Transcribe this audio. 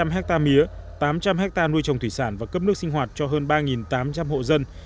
năm trăm linh ha mía tám trăm linh ha nuôi trồng thủy sản và cấp nước sinh hoạt cho hơn ba tám trăm linh hộ dân